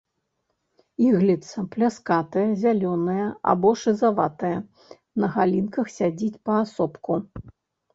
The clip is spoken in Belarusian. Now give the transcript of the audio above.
Ігліца пляскатая, зялёная або шызаватая, на галінках сядзіць паасобку.